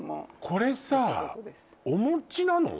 これさお餅なの？